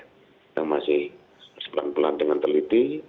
kita masih sebulan bulan dengan teliti